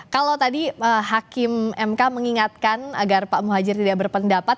kalau tadi hakim mk mengingatkan agar pak muhajir tidak berpendapat